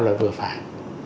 là vừa phải